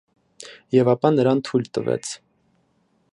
Եվ ապա նրան թույլ տվեց։